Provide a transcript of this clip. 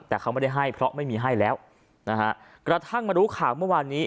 แต่เขาไม่ได้ให้เพราะไม่มีให้แล้วนะฮะกระทั่งมารู้ข่าวเมื่อวานนี้